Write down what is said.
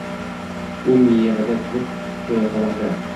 u miyigʼida kulib qoʼya qolardi.